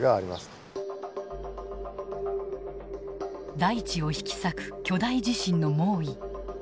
大地を引き裂く巨大地震の猛威。